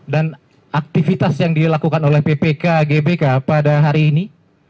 dan aktivitas yang dilakukan oleh ppk gbk pada hari ini